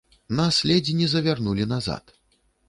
Нас ледзь не завярнулі назад.